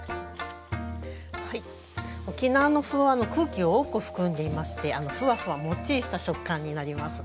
はい沖縄の麩は空気を多く含んでいましてふわふわもっちりした食感になります。